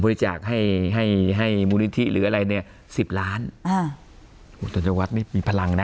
บริจาคให้ให้ให้มูลิธิหรืออะไรเนี้ยสิบล้านอ่าธรรยาวัฒน์เนี้ยมีพลังน่ะ